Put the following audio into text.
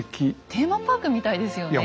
テーマパークみたいですよね。